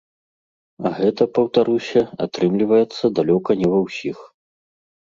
А гэта, паўтаруся, атрымліваецца далёка не ва ўсіх.